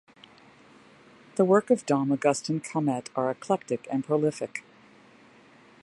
The work of Dom Augustin Calmet are eclectic and prolific.